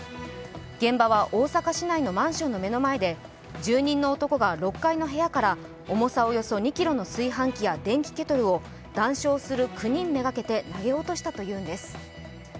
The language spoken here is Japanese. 現場は大阪市内のマンションの目の前で住人の男が６階の部屋から重さおよそ２ｋｇの炊飯器や電気ケトルを談笑する９人めがけて投げ落としたというんです。